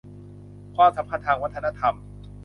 ความสัมพันธ์ทางวัฒนธรรม